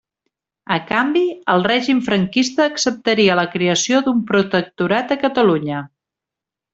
A canvi, el règim franquista acceptaria la creació d'un protectorat a Catalunya.